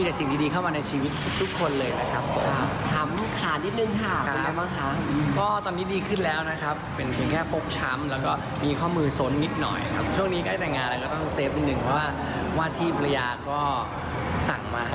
จริงเขาบอกว่าเจ้าบ่าวเจ้าสาวนะเนื้อจะหอมเป็นพิเศษ